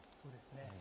そうです。